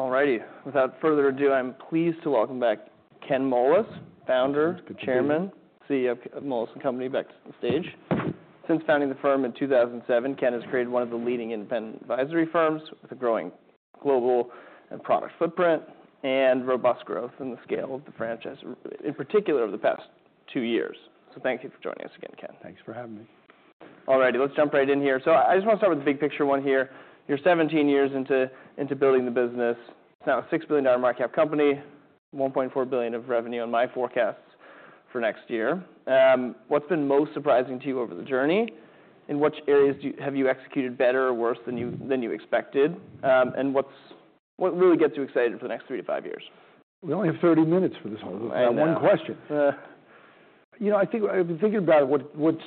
All righty. Without further ado, I'm pleased to welcome back Ken Moelis, Founder, Chairman, CEO of Moelis & Company. Back to the stage. Since founding the firm in 2007, Ken has created one of the leading independent advisory firms with a growing global product footprint and robust growth in the scale of the franchise, in particular over the past two years. So thank you for joining us again, Ken. Thanks for having me. All righty. Let's jump right in here. So I just want to start with the big picture one here. You're 17 years into building the business. It's now a $6 billion market cap company, $1.4 billion of revenue on my forecasts for next year. What's been most surprising to you over the journey? In which areas have you executed better or worse than you expected? And what really gets you excited for the next three to five years? We only have 30 minutes for this one. One question. I've been thinking about what's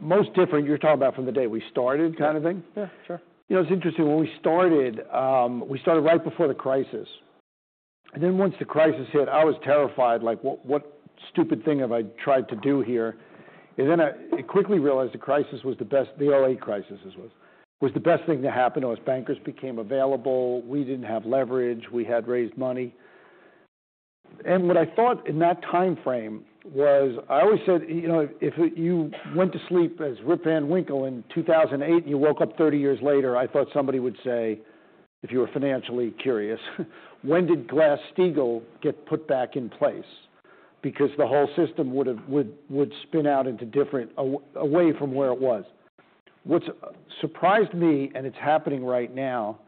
most different. You're talking about from the day we started, kind of thing? Yeah. Sure. It's interesting. When we started, we started right before the crisis. And then once the crisis hit, I was terrified. Like, what stupid thing have I tried to do here? And then I quickly realized the crisis was the best, the 2008 crisis was the best thing to happen. Us bankers became available. We didn't have leverage. We had raised money. And what I thought in that time frame was I always said, if you went to sleep as Rip Van Winkle in 2008 and you woke up 30 years later, I thought somebody would say, if you were financially curious, when did Glass-Steagall get put back in place? Because the whole system would spin out away from where it was. What surprised me, and it's happening right now,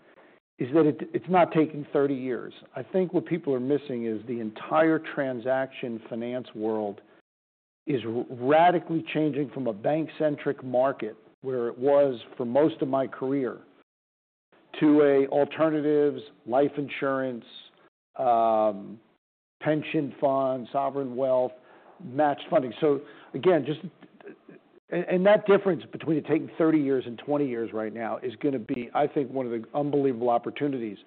is that it's not taking 30 years. I think what people are missing is the entire transaction finance world is radically changing from a bank-centric market where it was for most of my career to alternatives, life insurance, pension funds, sovereign wealth, matched funding. So again, just that difference between it taking 30 years and 20 years right now is going to be, I think, one of the unbelievable opportunities.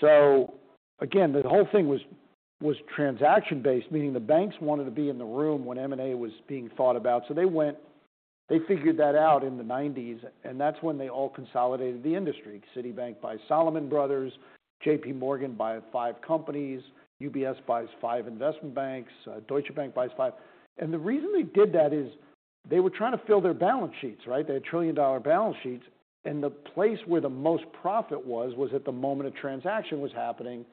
So again, the whole thing was transaction-based, meaning the banks wanted to be in the room when M&A was being thought about. So they figured that out in the 1990s. And that's when they all consolidated the industry. Citibank buys Salomon Brothers. JPMorgan buys five companies. UBS buys five investment banks. Deutsche Bank buys five. And the reason they did that is they were trying to fill their balance sheets, right? They had trillion-dollar balance sheets. And the place where the most profit was at the moment a transaction was happening.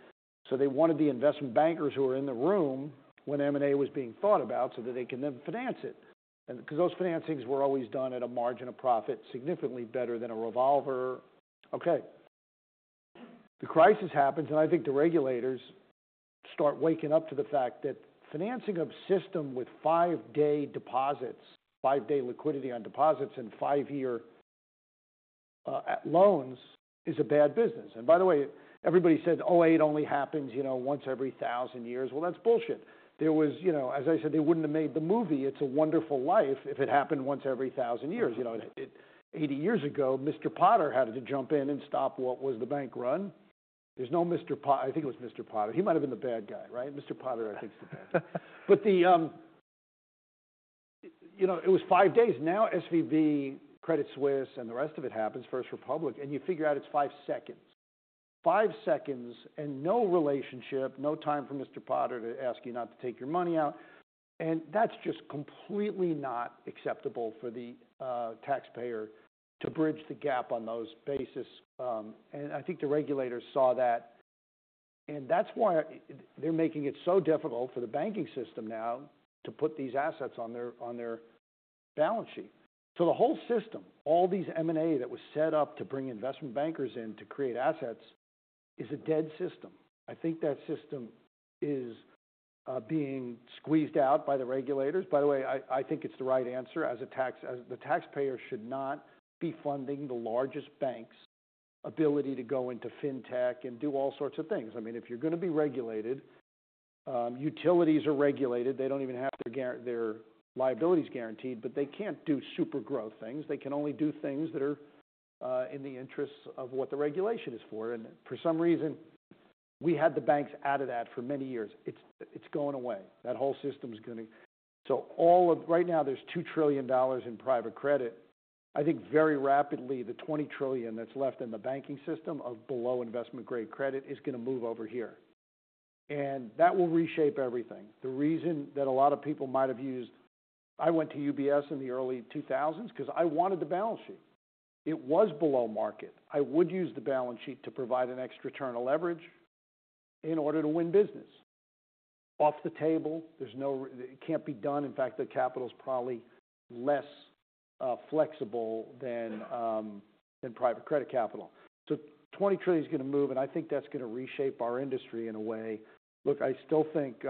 So they wanted the investment bankers who were in the room when M&A was being thought about so that they can then finance it. Because those financings were always done at a margin of profit significantly better than a revolver. Okay. The crisis happens. And I think the regulators start waking up to the fact that financing a system with five-day deposits, five-day liquidity on deposits, and five-year loans is a bad business. And by the way, everybody said 2008 only happens once every 1,000 years. Well, that's bullshit. As I said, they wouldn't have made the movie It's a Wonderful Life if it happened once every 1,000 years. 80 years ago, Mr. Potter had to jump in and stop what was the bank run. There's no Mr. Potter. I think it was Mr. Potter. He might have been the bad guy, right? Mr. Potter, I think, is the bad guy. It was five days. Now SVB, Credit Suisse, and the rest of it happens. First Republic. You figure out it's five seconds. Five seconds and no relationship, no time for Mr. Potter to ask you not to take your money out. That's just completely not acceptable for the taxpayer to bridge the gap on those bases. I think the regulators saw that. That's why they're making it so difficult for the banking system now to put these assets on their balance sheet. The whole system, all these M&A that was set up to bring investment bankers in to create assets is a dead system. I think that system is being squeezed out by the regulators. By the way, I think it's the right answer. As a taxpayer, the taxpayer should not be funding the largest bank's ability to go into fintech and do all sorts of things. I mean, if you're going to be regulated, utilities are regulated. They don't even have their liabilities guaranteed. But they can't do super growth things. They can only do things that are in the interests of what the regulation is for. And for some reason, we had the banks out of that for many years. It's going away. That whole system is going to, so right now, there's $2 trillion in private credit. I think very rapidly, the $20 trillion that's left in the banking system of below-investment-grade credit is going to move over here. And that will reshape everything. The reason that a lot of people might have used, I went to UBS in the early 2000s because I wanted the balance sheet. It was below market. I would use the balance sheet to provide an extra turn of leverage in order to win business. Off the table, it can't be done. In fact, the capital is probably less flexible than private credit capital. So $20 trillion is going to move. And I think that's going to reshape our industry in a way. Look, I still think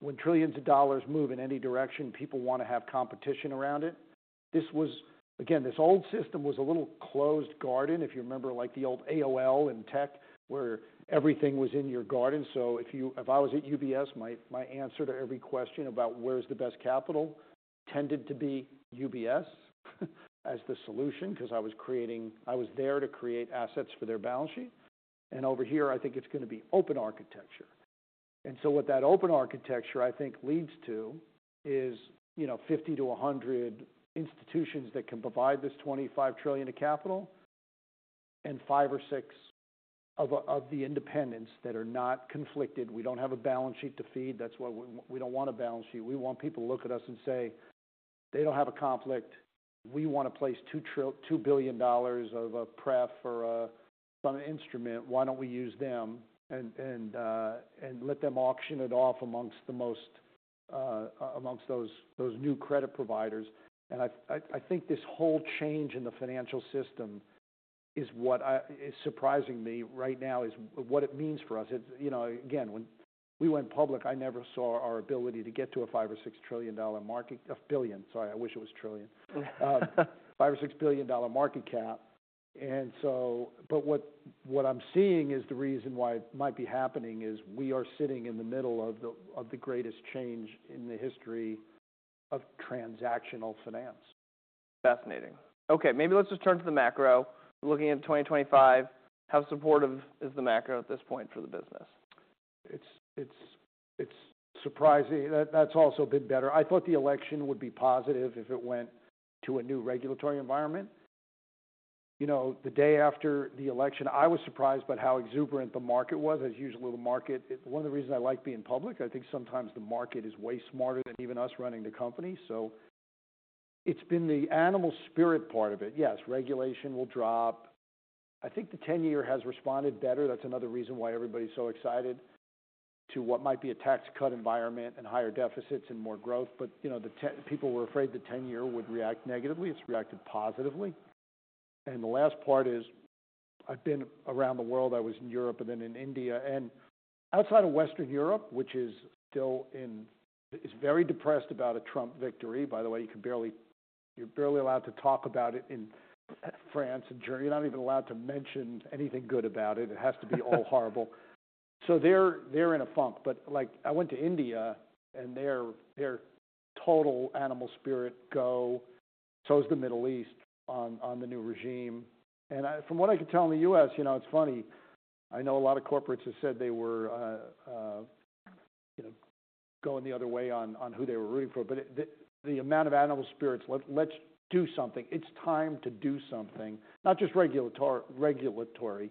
when trillions of dollars move in any direction, people want to have competition around it. Again, this old system was a little closed garden, if you remember, like the old AOL in tech where everything was in your garden. So if I was at UBS, my answer to every question about where's the best capital tended to be UBS as the solution because I was there to create assets for their balance sheet. And over here, I think it's going to be open architecture. And so what that open architecture, I think, leads to is 50-100 institutions that can provide this $25 trillion of capital and five or six of the independents that are not conflicted. We don't have a balance sheet to feed. We don't want a balance sheet. We want people to look at us and say, "They don't have a conflict. We want to place $2 billion of a pref or some instrument. Why don't we use them and let them auction it off amongst those new credit providers?" And I think this whole change in the financial system is what is surprising me right now, is what it means for us. Again, when we went public, I never saw our ability to get to a $5 trillion-$6 trillion market of billion. Sorry, I wish it was trillion. $5 billion-$6 billion market cap. But what I'm seeing is the reason why it might be happening is we are sitting in the middle of the greatest change in the history of transactional finance. Fascinating. Okay. Maybe let's just turn to the macro. Looking at 2025, how supportive is the macro at this point for the business? It's surprising. That's also been better. I thought the election would be positive if it went to a new regulatory environment. The day after the election, I was surprised by how exuberant the market was. As usual, the market, one of the reasons I like being public, I think sometimes the market is way smarter than even us running the company. So it's been the animal spirit part of it. Yes, regulation will drop. I think the 10-year has responded better. That's another reason why everybody's so excited to what might be a tax cut environment and higher deficits and more growth. But people were afraid the 10-year would react negatively. It's reacted positively, and the last part is I've been around the world. I was in Europe and then in India. And outside of Western Europe, which is very depressed about a Trump victory, by the way, you're barely allowed to talk about it in France and Germany. You're not even allowed to mention anything good about it. It has to be all horrible. So they're in a funk. But I went to India, and their total animal spirits are so is the Middle East on the new regime. And from what I could tell in the U.S., it's funny. I know a lot of corporates have said they were going the other way on who they were rooting for. But the amount of animal spirits, let's do something. It's time to do something. Not just regulatory,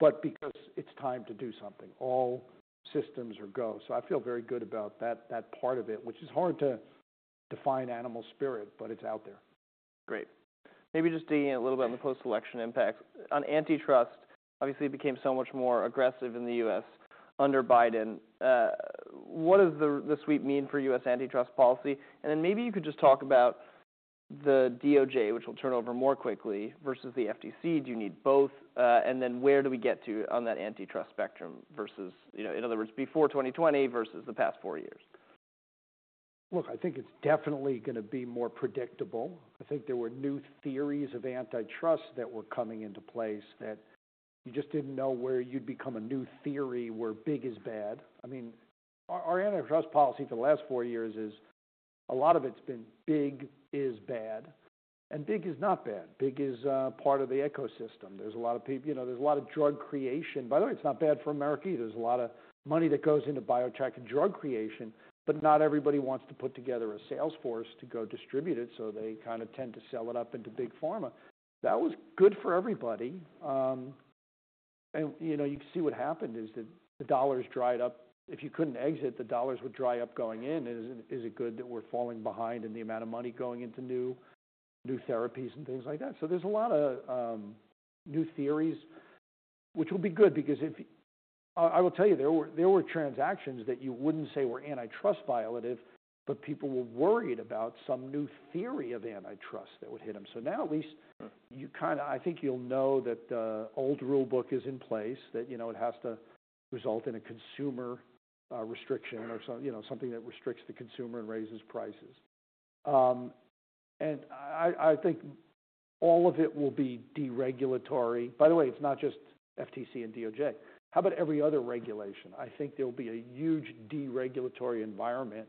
but because it's time to do something. All systems are go. So I feel very good about that part of it, which is hard to define animal spirits, but it's out there. Great. Maybe just digging a little bit on the post-election impacts. On antitrust, obviously, it became so much more aggressive in the U.S. under Biden. What does the sweep mean for U.S. antitrust policy? And then maybe you could just talk about the DOJ, which will turn over more quickly, versus the FTC. Do you need both? And then where do we get to on that antitrust spectrum versus, in other words, before 2020 versus the past four years? Look, I think it's definitely going to be more predictable. I think there were new theories of antitrust that were coming into place that you just didn't know where you'd become a new theory where big is bad. I mean, our antitrust policy for the last four years is a lot of it's been big is bad, and big is not bad. Big is part of the ecosystem. There's a lot of drug creation. By the way, it's not bad for America. There's a lot of money that goes into biotech and drug creation, but not everybody wants to put together a sales force to go distribute it, so they kind of tend to sell it up into big pharma. That was good for everybody, and you can see what happened is that the dollars dried up. If you couldn't exit, the dollars would dry up going in. Is it good that we're falling behind in the amount of money going into new therapies and things like that? So there's a lot of new theories, which will be good because I will tell you, there were transactions that you wouldn't say were antitrust violative, but people were worried about some new theory of antitrust that would hit them. So now at least I think you'll know that the old rulebook is in place, that it has to result in a consumer restriction or something that restricts the consumer and raises prices. And I think all of it will be deregulatory. By the way, it's not just FTC and DOJ. How about every other regulation? I think there'll be a huge deregulatory environment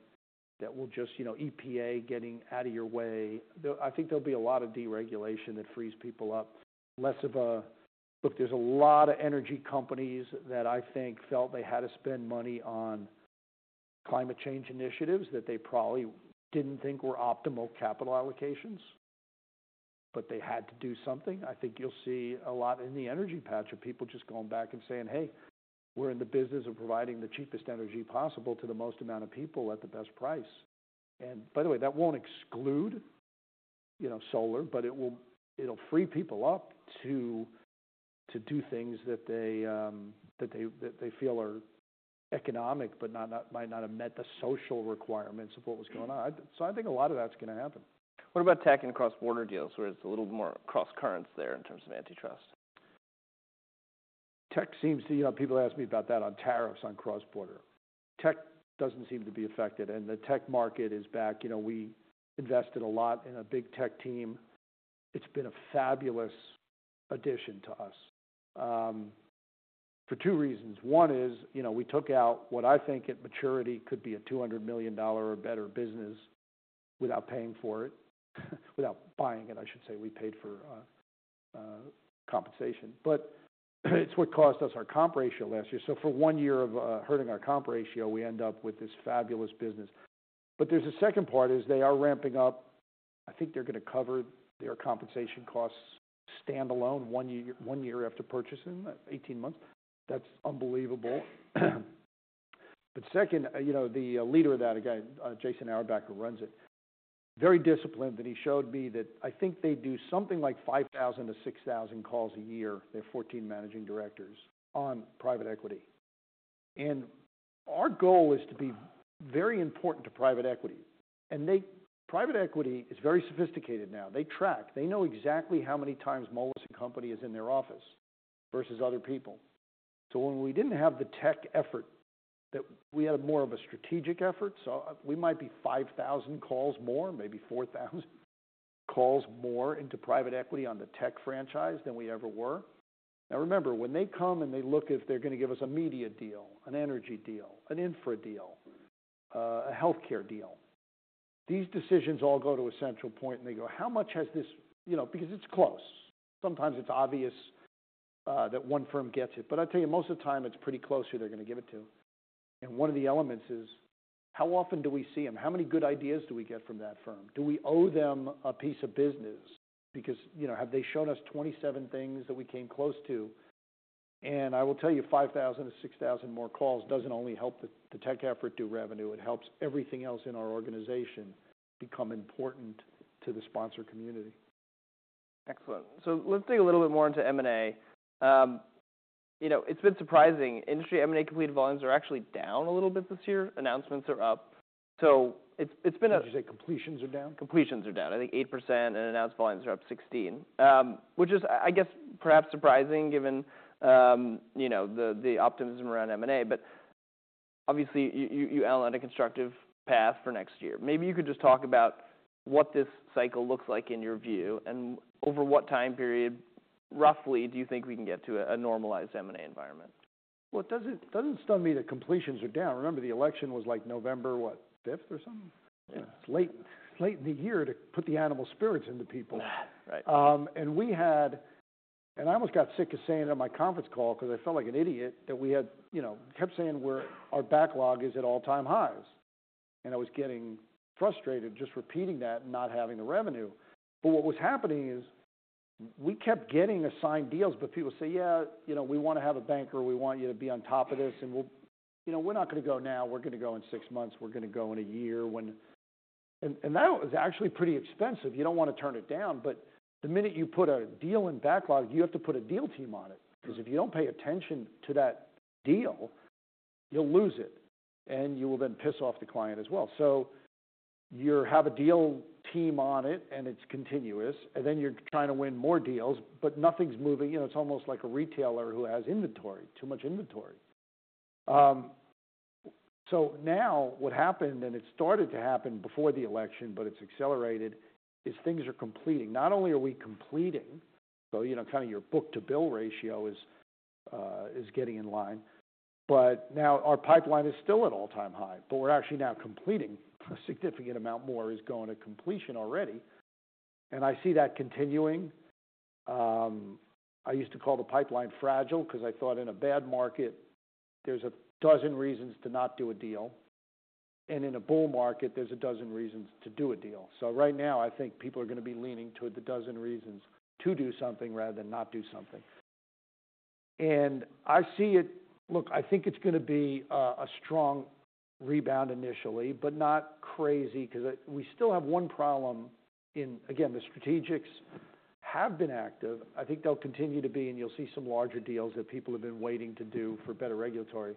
that will just EPA getting out of your way. I think there'll be a lot of deregulation that frees people up. Look, there's a lot of energy companies that I think felt they had to spend money on climate change initiatives that they probably didn't think were optimal capital allocations, but they had to do something. I think you'll see a lot in the energy patch of people just going back and saying, "Hey, we're in the business of providing the cheapest energy possible to the most amount of people at the best price." And by the way, that won't exclude solar, but it'll free people up to do things that they feel are economic but might not have met the social requirements of what was going on. So I think a lot of that's going to happen. What about tech and cross-border deals where it's a little more cross currents there in terms of antitrust? Tech seems to. People ask me about that on tariffs on cross-border. Tech doesn't seem to be affected, and the tech market is back. We invested a lot in a big tech team. It's been a fabulous addition to us for two reasons. One is we took out what I think at maturity could be a $200 million or better business without paying for it, without buying it, I should say. We paid for compensation, but it's what cost us our comp ratio last year, so for one year of hurting our comp ratio, we end up with this fabulous business. But there's a second part is they are ramping up. I think they're going to cover their compensation costs standalone one year after purchasing, 18 months. That's unbelievable, but second, the leader of that, a guy, Jason Auerbach, runs it. Very disciplined. And he showed me that I think they do something like 5,000-6,000 calls a year. They have 14 managing directors on private equity. And our goal is to be very important to private equity. And private equity is very sophisticated now. They track. They know exactly how many times Moelis & Company is in their office versus other people. So when we didn't have the tech effort, we had more of a strategic effort. So we might be 5,000 calls more, maybe 4,000 calls more into private equity on the tech franchise than we ever were. Now remember, when they come and they look if they're going to give us a media deal, an energy deal, an infra deal, a healthcare deal, these decisions all go to a central point. And they go, "How much has this?" Because it's close. Sometimes it's obvious that one firm gets it. But I tell you, most of the time, it's pretty close who they're going to give it to. And one of the elements is how often do we see them? How many good ideas do we get from that firm? Do we owe them a piece of business? Because have they shown us 27 things that we came close to? And I will tell you, 5,000-6,000 more calls doesn't only help the tech effort do revenue. It helps everything else in our organization become important to the sponsor community. Excellent. So let's dig a little bit more into M&A. It's been surprising. Industry M&A completed volumes are actually down a little bit this year. Announcements are up. So it's been a. What did you say? Completions are down? Completions are down, I think 8%, and announced volumes are up 16%, which is, I guess, perhaps surprising given the optimism around M&A. But obviously, you outlined a constructive path for next year. Maybe you could just talk about what this cycle looks like in your view and over what time period, roughly, do you think we can get to a normalized M&A environment? It doesn't stun me that completions are down. Remember, the election was like November, what, 5th or something? It's late in the year to put the animal spirits into people. And I almost got sick of saying it on my conference call because I felt like an idiot that we had kept saying our backlog is at all-time highs. And I was getting frustrated just repeating that and not having the revenue. But what was happening is we kept getting assigned deals. But people say, "Yeah, we want to have a banker. We want you to be on top of this. And we're not going to go now. We're going to go in six months. We're going to go in a year." And that was actually pretty expensive. You don't want to turn it down. But the minute you put a deal in backlog, you have to put a deal team on it, because if you don't pay attention to that deal, you'll lose it, and you will then piss off the client as well. So you have a deal team on it, and it's continuous, and then you're trying to win more deals, but nothing's moving. It's almost like a retailer who has inventory, too much inventory. So now what happened, and it started to happen before the election, but it's accelerated, is things are completing. Not only are we completing, so kind of your book-to-bill ratio is getting in line, but now our pipeline is still at all-time high, but we're actually now completing a significant amount more is going to completion already, and I see that continuing. I used to call the pipeline fragile because I thought in a bad market, there's a dozen reasons to not do a deal. And in a bull market, there's a dozen reasons to do a deal. So right now, I think people are going to be leaning toward the dozen reasons to do something rather than not do something. And I see it. Look, I think it's going to be a strong rebound initially, but not crazy because we still have one problem in. Again, the strategics have been active. I think they'll continue to be, and you'll see some larger deals that people have been waiting to do for better regulatory.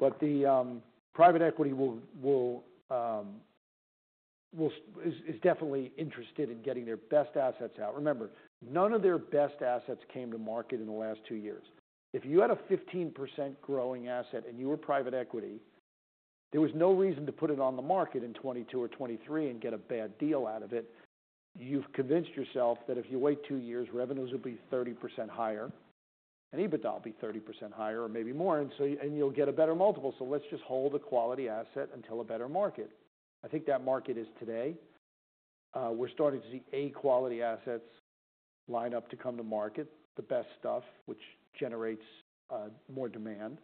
But the private equity is definitely interested in getting their best assets out. Remember, none of their best assets came to market in the last two years. If you had a 15% growing asset and you were private equity, there was no reason to put it on the market in 2022 or 2023 and get a bad deal out of it. You've convinced yourself that if you wait two years, revenues will be 30% higher, and EBITDA will be 30% higher or maybe more, and you'll get a better multiple. So let's just hold a quality asset until a better market. I think that market is today. We're starting to see A-quality assets line up to come to market, the best stuff, which generates more demand.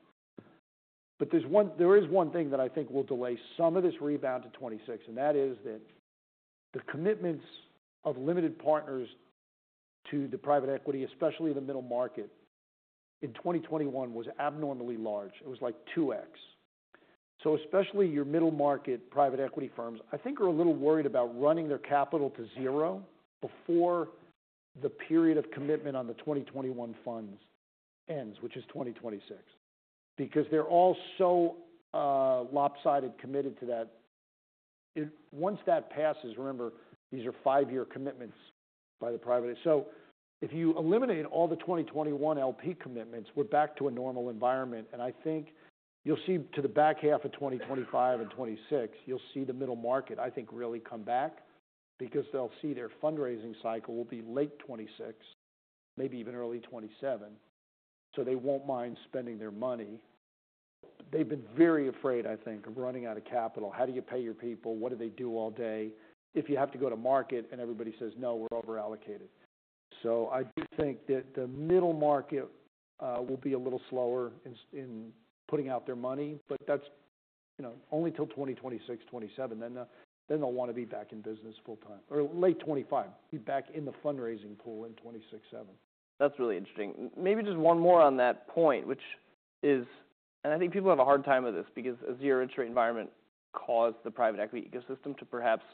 But there is one thing that I think will delay some of this rebound to 2026, and that is that the commitments of limited partners to the private equity, especially the middle market, in 2021 was abnormally large. It was like 2x. So especially your middle market private equity firms, I think, are a little worried about running their capital to zero before the period of commitment on the 2021 funds ends, which is 2026, because they're all so lopsided committed to that. Once that passes, remember, these are five-year commitments by the private equity. So if you eliminate all the 2021 LP commitments, we're back to a normal environment. And I think you'll see to the back half of 2025 and 2026, you'll see the middle market, I think, really come back because they'll see their fundraising cycle will be late 2026, maybe even early 2027. So they won't mind spending their money. They've been very afraid, I think, of running out of capital. How do you pay your people? What do they do all day? If you have to go to market and everybody says, "No, we're overallocated." So I do think that the middle market will be a little slower in putting out their money. But that's only till 2026, 2027. Then they'll want to be back in business full-time or late 2025, be back in the fundraising pool in 2026, 2027. That's really interesting. Maybe just one more on that point, which is, and I think people have a hard time with this because a zero-interest rate environment caused the private equity ecosystem to perhaps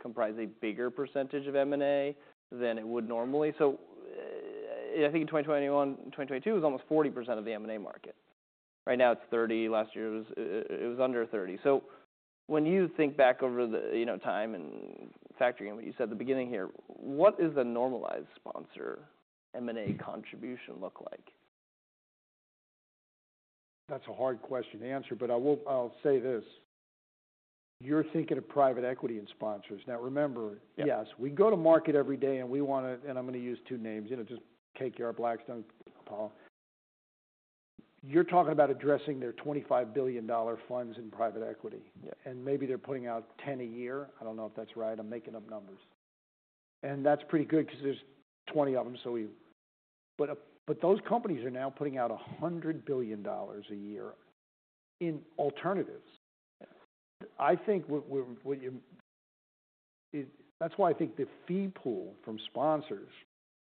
comprise a bigger percentage of M&A than it would normally. So I think in 2021, 2022, it was almost 40% of the M&A market. Right now, it's 30%. Last year, it was under 30%. So when you think back over the time and factoring in what you said at the beginning here, what is the normalized sponsor M&A contribution look like? That's a hard question to answer. But I'll say this. You're thinking of private equity and sponsors. Now, remember, yes, we go to market every day and we want to, and I'm going to use two names, just KKR, Blackstone, Apollo. You're talking about addressing their $25 billion funds in private equity. And maybe they're putting out 10 a year. I don't know if that's right. I'm making up numbers. And that's pretty good because there's 20 of them. But those companies are now putting out $100 billion a year in alternatives. I think that's why I think the fee pool from sponsors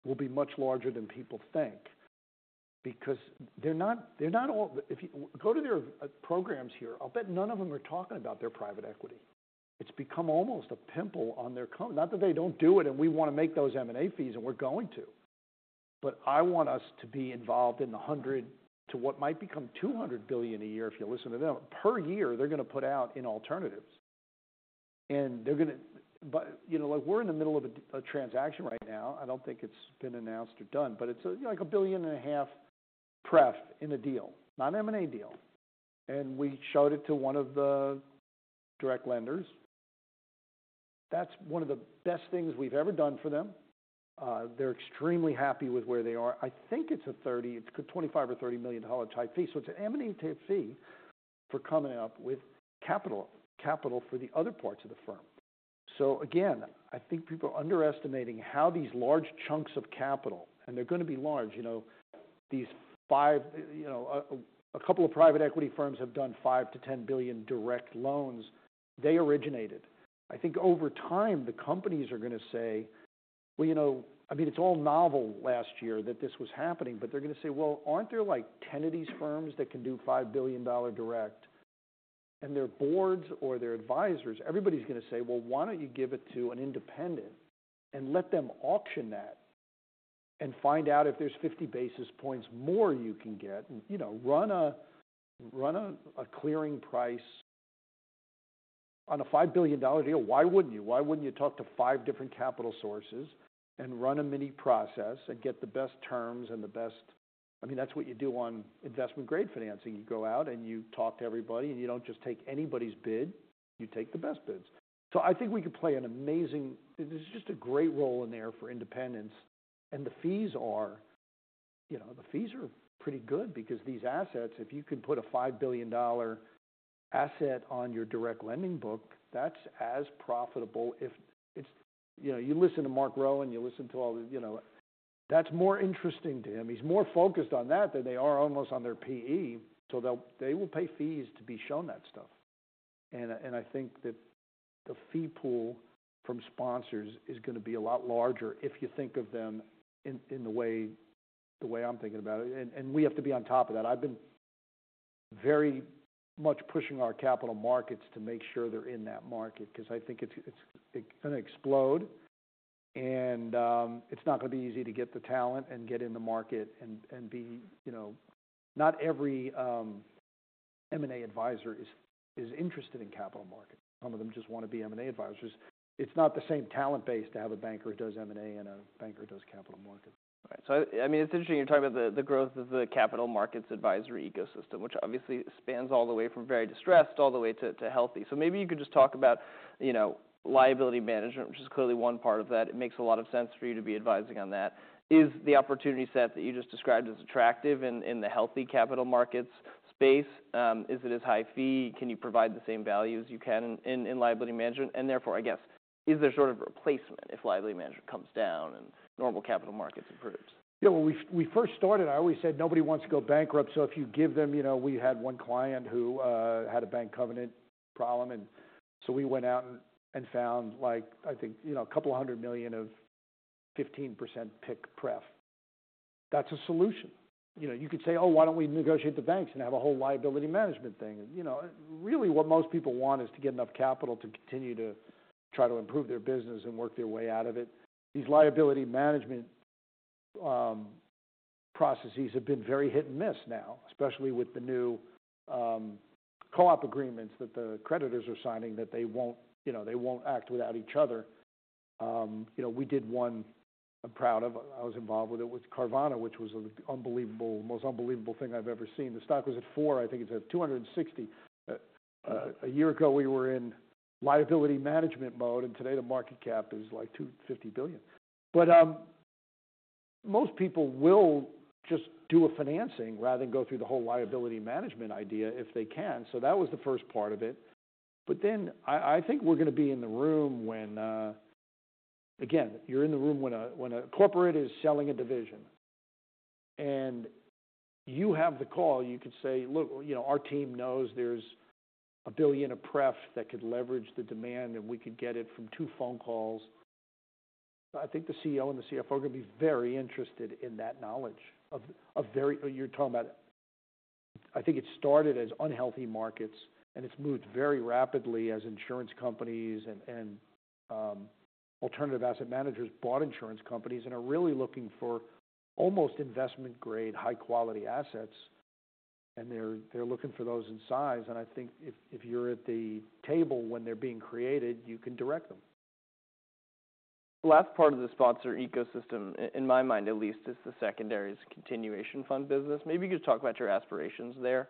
will be much larger than people think because they're not all going to their programs here. I'll bet none of them are talking about their private equity. It's become almost a pimple on their company. Not that they don't do it and we want to make those M&A fees and we're going to, but I want us to be involved in the $100 billion to what might become $200 billion a year if you listen to them. Per year, they're going to put out in alternatives. And they're going to, but we're in the middle of a transaction right now. I don't think it's been announced or done, but it's like a $1.5 billion pref in a deal, not an M&A deal. And we showed it to one of the direct lenders. That's one of the best things we've ever done for them. They're extremely happy with where they are. I think it's a $25 million or $30 million type fee. So it's an M&A type fee for coming up with capital for the other parts of the firm. So, again, I think people are underestimating how these large chunks of capital, and they're going to be large. A couple of private equity firms have done $5 billion-$10 billion direct loans they originated. I think over time, the companies are going to say, "Well, I mean, it's all novel last year that this was happening." But they're going to say, "Well, aren't there like 10 of these firms that can do $5 billion direct?" And their boards or their advisors, everybody's going to say, "Well, why don't you give it to an independent and let them auction that and find out if there's 50 basis points more you can get? Run a clearing price on a $5 billion deal. Why wouldn't you? Why wouldn't you talk to five different capital sources and run a mini process and get the best terms and the best? I mean, that's what you do on investment-grade financing. You go out and you talk to everybody, and you don't just take anybody's bid. You take the best bids. So I think we could play an amazing role. There's just a great role in there for independents. And the fees are pretty good because these assets, if you can put a $5 billion asset on your direct lending book, that's as profitable. You listen to Marc Rowan, you listen to all the. That's more interesting to him. He's more focused on that than they are almost on their PE. So they will pay fees to be shown that stuff. And I think that the fee pool from sponsors is going to be a lot larger if you think of them in the way I'm thinking about it. And we have to be on top of that. I've been very much pushing our capital markets to make sure they're in that market because I think it's going to explode. And it's not going to be easy to get the talent and get in the market and be—not every M&A advisor is interested in capital markets. Some of them just want to be M&A advisors. It's not the same talent base to have a banker who does M&A and a banker who does capital markets. Right. So I mean, it's interesting you're talking about the growth of the capital markets advisory ecosystem, which obviously spans all the way from very distressed all the way to healthy. So maybe you could just talk about liability management, which is clearly one part of that. It makes a lot of sense for you to be advising on that. Is the opportunity set that you just described as attractive in the healthy capital markets space? Is it as high fee? Can you provide the same value as you can in liability management? And therefore, I guess, is there sort of replacement if liability management comes down and normal capital markets improves? Yeah. Well, we first started. I always said, "Nobody wants to go bankrupt." So if you give them, we had one client who had a bank covenant problem. And so we went out and found, I think, a couple of hundred million of 15% PIK preferred. That's a solution. You could say, "Oh, why don't we negotiate the banks and have a whole liability management thing?" Really, what most people want is to get enough capital to continue to try to improve their business and work their way out of it. These liability management processes have been very hit and miss now, especially with the new cooperation agreements that the creditors are signing that they won't act without each other. We did one I'm proud of. I was involved with it with Carvana, which was the most unbelievable thing I've ever seen. The stock was at $4. I think it's at 260. A year ago, we were in liability management mode. And today, the market cap is like $250 billion. But most people will just do a financing rather than go through the whole liability management idea if they can. So that was the first part of it. But then I think we're going to be in the room when, again, you're in the room when a corporate is selling a division. And you have the call. You could say, "Look, our team knows there's a billion of pref that could leverage the demand, and we could get it from two phone calls." I think the CEO and the CFO are going to be very interested in that knowledge of, you're talking about, I think it started as unhealthy markets, and it's moved very rapidly as insurance companies and alternative asset managers bought insurance companies and are really looking for almost investment-grade, high-quality assets. And they're looking for those in size. And I think if you're at the table when they're being created, you can direct them. The last part of the sponsor ecosystem, in my mind at least, is the secondary continuation fund business. Maybe you could talk about your aspirations there.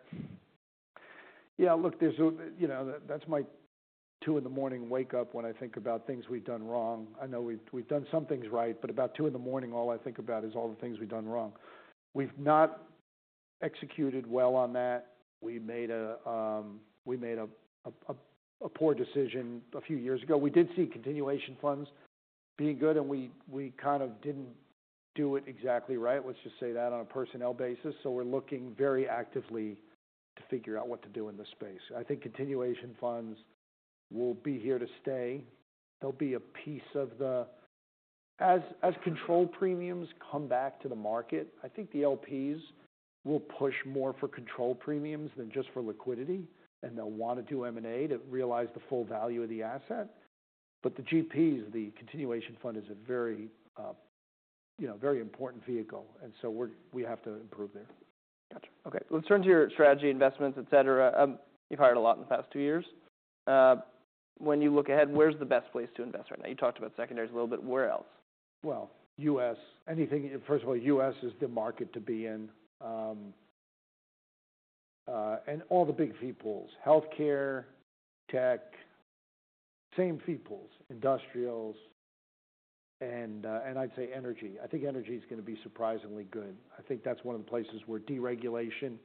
Yeah. Look, that's my 2:00 A.M. wake-up when I think about things we've done wrong. I know we've done some things right, but about 2:00 A.M., all I think about is all the things we've done wrong. We've not executed well on that. We made a poor decision a few years ago. We did see continuation funds being good, and we kind of didn't do it exactly right. Let's just say that on a personnel basis. So we're looking very actively to figure out what to do in this space. I think continuation funds will be here to stay. There'll be a piece of the, as control premiums come back to the market, I think the LPs will push more for control premiums than just for liquidity. And they'll want to do M&A to realize the full value of the asset. But the GPs, the continuation fund, is a very important vehicle. And so we have to improve there. Gotcha. Okay. Let's turn to your strategy, investments, etc. You've hired a lot in the past two years. When you look ahead, where's the best place to invest right now? You talked about secondaries a little bit. Where else? U.S. First of all, U.S. is the market to be in. All the big fee pools: healthcare, tech, same fee pools, industrials, and I'd say energy. I think energy is going to be surprisingly good. I think that's one of the places where deregulation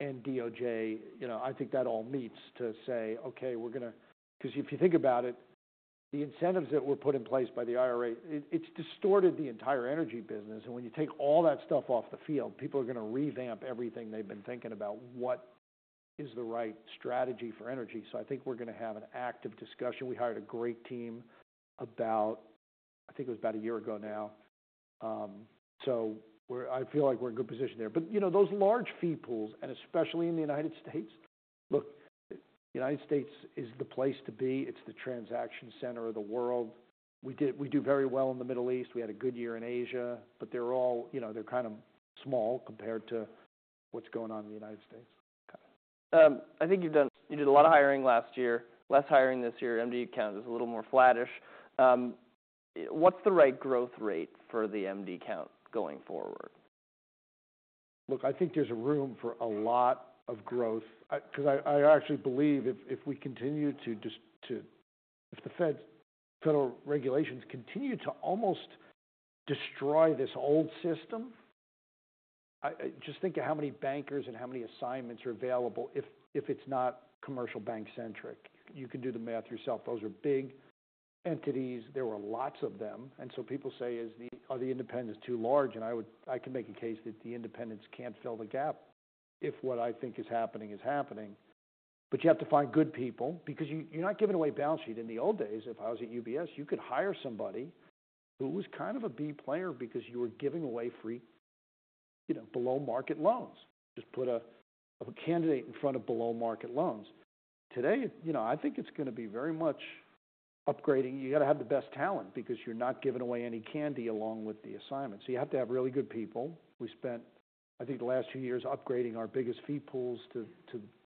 and DOJ, I think that all meets to say, "Okay, we're going to," because if you think about it, the incentives that were put in place by the IRA, it's distorted the entire energy business. When you take all that stuff off the field, people are going to revamp everything they've been thinking about what is the right strategy for energy. I think we're going to have an active discussion. We hired a great team about, I think it was about a year ago now. I feel like we're in a good position there. But those large fee pools, and especially in the United States, look, the United States is the place to be. It's the transaction center of the world. We do very well in the Middle East. We had a good year in Asia. But they're all kind of small compared to what's going on in the United States. Got it. I think you did a lot of hiring last year, less hiring this year. MD count is a little more flattish. What's the right growth rate for the MD count going forward? Look, I think there's room for a lot of growth because I actually believe if the federal regulations continue to almost destroy this old system, just think of how many bankers and how many assignments are available if it's not commercial bank-centric. You can do the math yourself. Those are big entities. There were lots of them. And so people say, "Are the independents too large?" And I can make a case that the independents can't fill the gap if what I think is happening is happening. But you have to find good people because you're not giving away balance sheets. In the old days, if I was at UBS, you could hire somebody who was kind of a B player because you were giving away below-market loans. Just put a candidate in front of below-market loans. Today, I think it's going to be very much upgrading. You got to have the best talent because you're not giving away any candy along with the assignments. So you have to have really good people. We spent, I think, the last few years upgrading our biggest fee pools to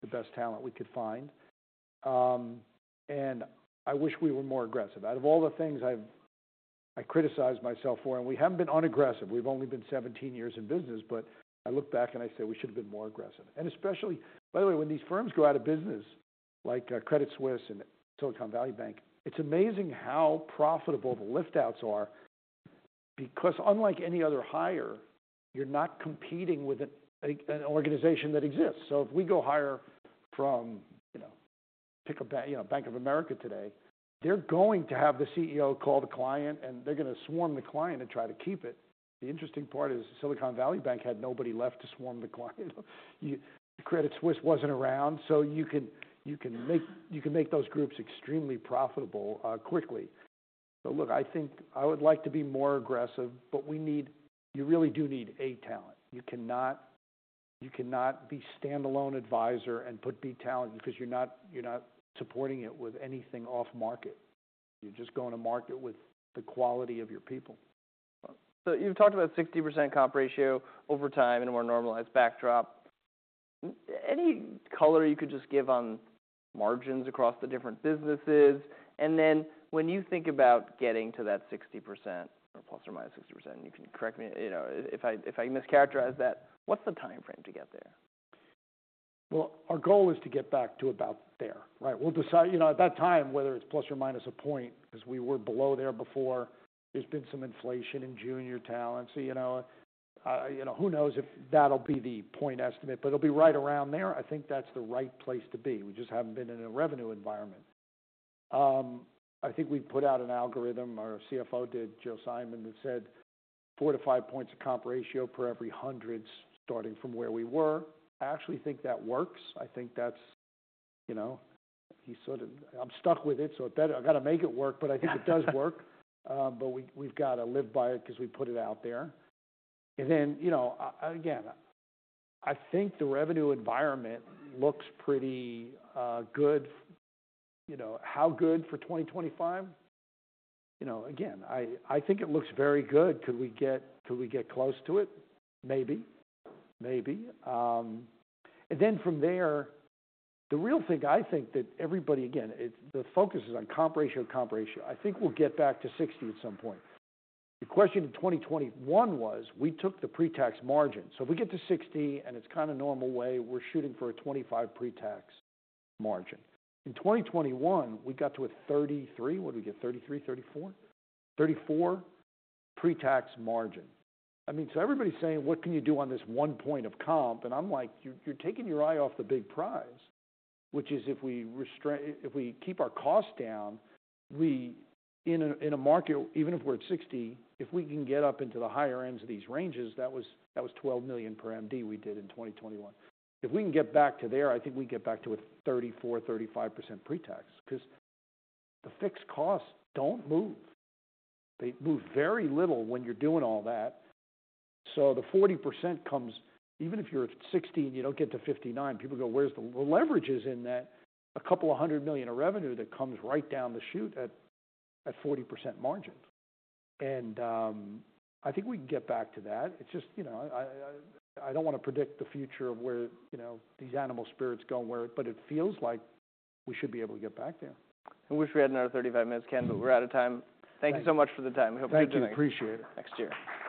the best talent we could find, and I wish we were more aggressive. Out of all the things I've criticized myself for, and we haven't been unaggressive. We've only been 17 years in business, but I look back and I say we should have been more aggressive, and especially, by the way, when these firms go out of business like Credit Suisse and Silicon Valley Bank, it's amazing how profitable the liftouts are because unlike any other hire, you're not competing with an organization that exists. So if we go hire from Bank of America today, they're going to have the CEO call the client, and they're going to swarm the client and try to keep it. The interesting part is Silicon Valley Bank had nobody left to swarm the client. Credit Suisse wasn't around. So you can make those groups extremely profitable quickly. So look, I think I would like to be more aggressive, but you really do need A talent. You cannot be a standalone advisor and put B talent because you're not supporting it with anything off-market. You're just going to market with the quality of your people. So you've talked about a 60% comp ratio over time in a more normalized backdrop. Any color you could just give on margins across the different businesses? And then when you think about getting to that 60% or plus or minus 60%, and you can correct me if I mischaracterize that, what's the timeframe to get there? Our goal is to get back to about there, right? We'll decide at that time whether it's plus or minus a point because we were below there before. There's been some inflation in junior talent. So who knows if that'll be the point estimate, but it'll be right around there. I think that's the right place to be. We just haven't been in a revenue environment. I think we've put out an algorithm. Our CFO did, Joe Simon, that said four to five points of comp ratio per every hundred starting from where we were. I actually think that works. I think that's. I'm stuck with it, so I got to make it work, but I think it does work. But we've got to live by it because we put it out there. And then again, I think the revenue environment looks pretty good. How good for 2025? Again, I think it looks very good. Could we get close to it? Maybe. Maybe. And then from there, the real thing I think that everybody, again, the focus is on comp ratio, comp ratio. I think we'll get back to 60% at some point. The question in 2021 was we took the pre-tax margin. So if we get to 60% and it's kind of normal way, we're shooting for a 25 pre-tax margin. In 2021, we got to a 33%. What did we get? 33%, 34%? 34% pre-tax margin. I mean, so everybody's saying, "What can you do on this one point of comp?" And I'm like, "You're taking your eye off the big prize," which is if we keep our cost down, in a market, even if we're at 60%, if we can get up into the higher ends of these ranges, that was 12 million per MD we did in 2021. If we can get back to there, I think we can get back to a 34%-35% pre-tax because the fixed costs don't move. They move very little when you're doing all that. So the 40% comes, even if you're at 60% and you don't get to 59%, people go, "Where's the leverage in that a couple of hundred million of revenue that comes right down the chute at 40% margins?" And I think we can get back to that. It's just I don't want to predict the future of where these animal spirits go, but it feels like we should be able to get back there. I wish we had another 35 minutes, Ken, but we're out of time. Thank you so much for the time. I hope you have a good day. Thank you. Appreciate it. Next year.